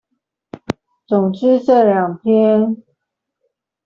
總之這兩篇